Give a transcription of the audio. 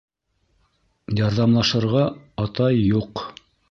Ярҙамлашырға атай юҡ